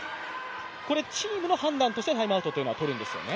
これチームの判断としてタイムアウトというのは取るんですよね、